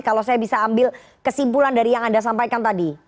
kalau saya bisa ambil kesimpulan dari yang anda sampaikan tadi